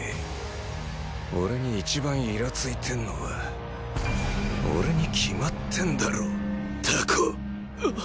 俺に一番イラついてんのは俺に決まってんだろタコ！